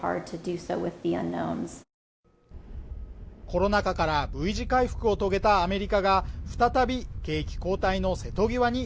コロナ禍からＶ字回復を遂げたアメリカが再び景気後退の瀬戸際に